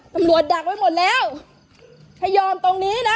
ตำรวจดักไว้หมดแล้วให้ยอมตรงนี้น่ะ